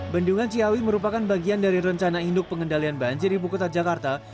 bendungan ciawi merupakan bagian dari rencana induk pengendalian banjir ibu kota jakarta